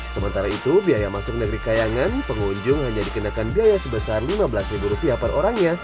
sementara itu biaya masuk negeri kayangan pengunjung hanya dikenakan biaya sebesar lima belas ribu rupiah per orangnya